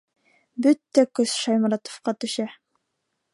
Бөтә көс Шайморатовҡа төшә.